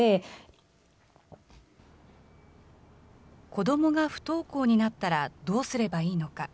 子どもが不登校になったらどうすればいいのか。